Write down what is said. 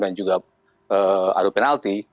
dan juga ada penalti